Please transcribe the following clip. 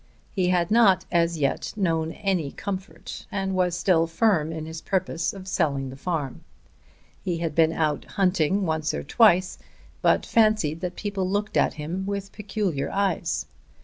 He had not as yet known any comfort and was still firm in his purpose of selling the farm. He had been out hunting once or twice but fancied that people looked at him with peculiar eyes.